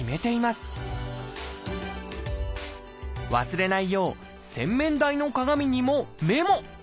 忘れないよう洗面台の鏡にもメモ！